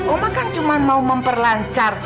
oma kan cuma mau memperlancar